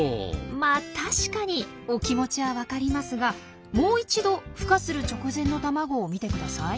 まあ確かにお気持ちはわかりますがもう一度ふ化する直前の卵を見てください。